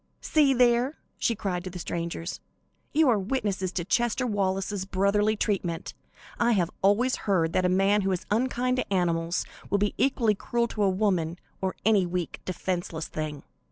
"See there!" she cried to the strangers, "you are witnesses to Chester Wallace's brotherly treatment. I have always heard that a man who is unkind to animals will be equally cruel to woman, or any weak, defenceless thing."